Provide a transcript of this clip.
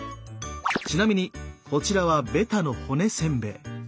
ちなみにこちらはベタの骨せんべい。